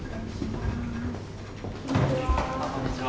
こんにちは。